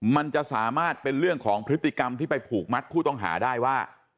มันจะสามารถเป็นเรื่องของพฤติกรรมที่ไปผูกมัดผู้ต้องหาได้ว่า